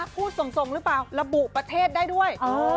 พูดส่งหรือเปล่าระบุประเทศได้ด้วย